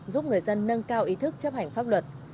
giúp người dân nâng cao ý thức chấp hành pháp luật